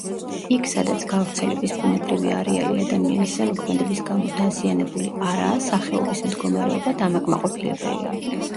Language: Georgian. იქ სადაც გავრცელების ბუნებრივი არეალი ადამიანის ზემოქმედების გამო დაზიანებული არაა, სახეობის მდგომარეობა დამაკმაყოფილებელია.